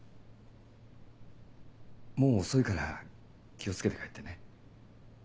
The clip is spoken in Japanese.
もう遅いから気を付けて帰ってね。